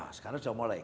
ya sekarang sudah mulai